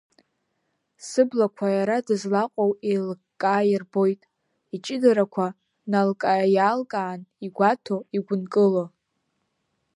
Сыблақәа иара дызлаҟоу еилыкка ирбоит, иҷыдарақәа налкааиалкаан игәаҭо, игәынкыло.